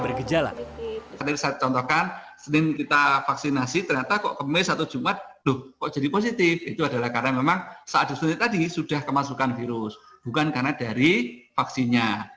bukan karena dari vaksinnya